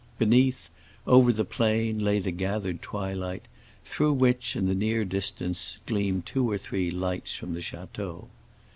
Beneath, over the plain, lay the gathered twilight, through which, in the near distance, gleamed two or three lights from the château.